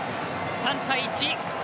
３対１。